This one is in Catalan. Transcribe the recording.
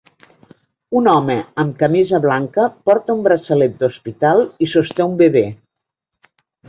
Un home amb camisa blanca porta un braçalet d'hospital i sosté un bebè